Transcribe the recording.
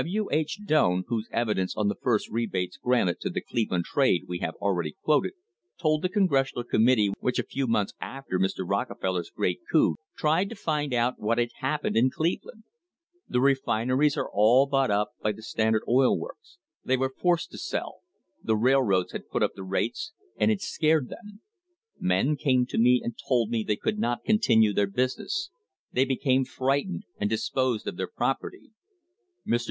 W. H. Doane, whose evidence on the first rebates granted to the Cleveland trade we have already quoted, told the Con gressional committee which a few months after Mr. Rocke feller's great coup tried to find out what had happened in THE RISE OF THE STANDARD OIL COMPANY Cleveland: "The refineries are all bought up by the Standard Oil works; they were forced to sell; the railroads had put up the rates and it scared them. Men came to me and told me they could not continue their business; they became fright ened and disposed of their property." Mr.